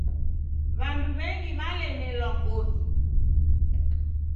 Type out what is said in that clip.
W'andu w'engi w'alemelwa godi.